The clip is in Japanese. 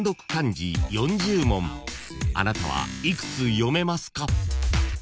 ［あなたは幾つ読めますか？］